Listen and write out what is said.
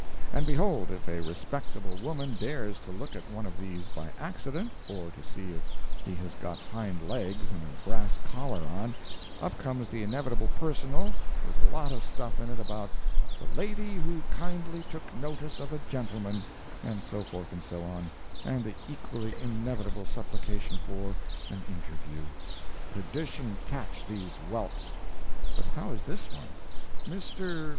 And behold, if a respectable woman dares to look at one of these by accident, or to see if he has got hind legs and a brass collar on, up comes the inevitable personal, with a lot of stuff in it about "the lady who kindly took notice of a gentleman," and so forth and so on, and the equally inevitable supplication for an "interview." Perdition catch these whelps! But how is this one? "MR.